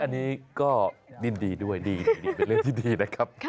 อันนี้ก็ดินดีด้วยเรื่องที่ดีนะครับ